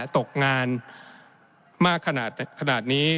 ตกงานมากขนาดนี้